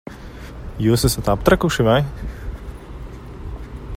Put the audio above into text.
Jūs esat aptrakuši, vai?